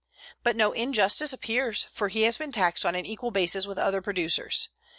_ But no injustice appears, for he has been taxed on an equal basis with other producers.